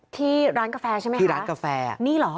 ที่ร้านกาแฟใช่ไหมฮะนี่เหรอที่ร้านกาแฟ